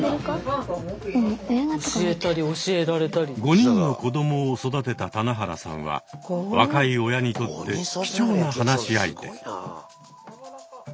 ５人の子どもを育てた棚原さんは若い親にとって貴重な話し相手。